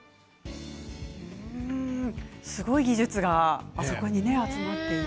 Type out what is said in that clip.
すごい技術があそこに集まっていて。